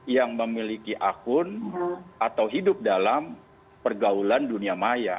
yang memiliki akun atau hidup dalam pergaulan dunia maya